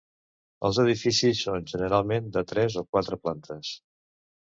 Els edificis són generalment de tres o quatre plantes.